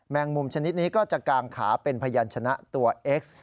งมุมชนิดนี้ก็จะกางขาเป็นพยานชนะตัวเอ็กซ์